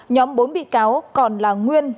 nhóm bốn bị cáo còn là nguyên